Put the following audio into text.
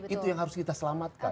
itu yang harus kita selamatkan